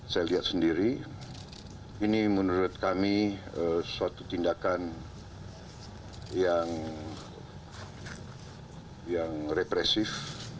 saya lihat sendiri ini menurut kami suatu tindakan yang represif